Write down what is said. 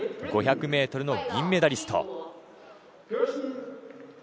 ５００ｍの銀メダリスト。